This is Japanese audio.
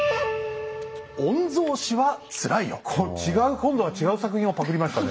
今度は違う作品をパクりましたね。